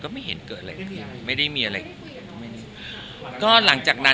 ทุกอย่างต้องติดตัวกับลงพยาบาล